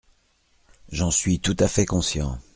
J’en suis tout à fait conscient.